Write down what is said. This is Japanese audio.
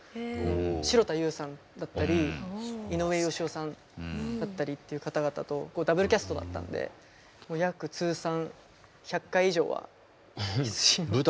城田優さんだったり井上芳雄さんだったりっていう方々とダブルキャストだったんで約通算１００回以上はキスシーンを。